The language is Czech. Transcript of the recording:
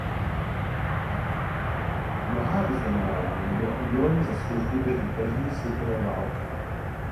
Mnohá vyznamenání mu byla udělena za službu během první světové války.